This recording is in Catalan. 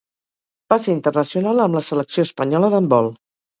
Va ser internacional amb la selecció espanyola d'handbol.